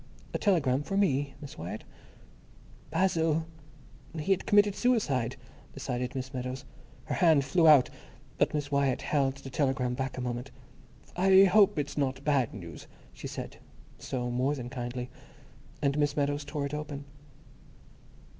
"A telegram for me, Miss Wyatt?" Basil! He had committed suicide, decided Miss Meadows. Her hand flew out, but Miss Wyatt held the telegram back a moment. "I hope it's not bad news," she said, so more than kindly. And Miss Meadows tore it open.